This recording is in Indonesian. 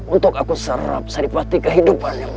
untuk aku serap seripati kehidupannya maesha